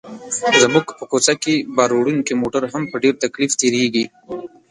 زموږ په کوڅه کې باروړونکي موټر هم په ډېر تکلیف تېرېږي.